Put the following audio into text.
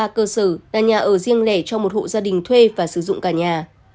ba cơ sở là nhà ở riêng lẻ cho một hộ gia đình thuê và sử dụng cả nhà